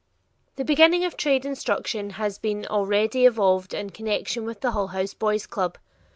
The beginning of trade instruction has been already evolved in connection with the Hull House Boys' club.